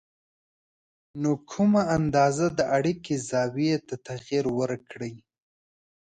نو کمه اندازه د اړیکې زاویې ته تغیر ورکړئ